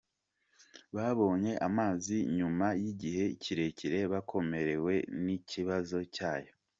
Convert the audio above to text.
Babonye amazi nyuma y’igihe kirekire bakomerewe n’ikibazo cyayo